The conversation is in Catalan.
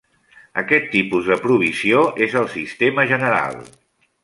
Aquest tipus de provisió és el sistema general.